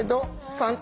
ファンタ。